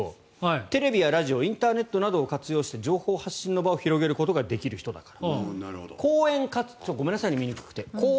テレビやラジオインターネットなどを活用して情報発信の場を広げることができる人だから。